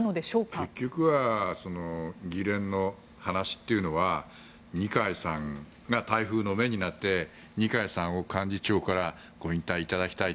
結局は議連の話というのは二階さんが台風の目になって二階さんを幹事長からご引退いただきたい。